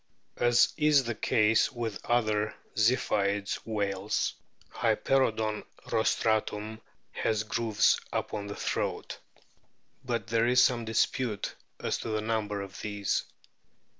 As is the case with other Ziphioid whales, Hyper oodon rostratum has grooves upon the throat. But there is some dispute as to the number of these.